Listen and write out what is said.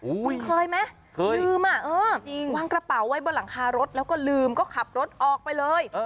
คุณเคยไหมเคยลืมวางกระเป๋าไว้บนหลังคารถแล้วก็ลืมก็ขับรถออกไปเลย